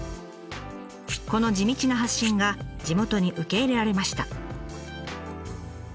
この地道な発信が地元に受け入れられました。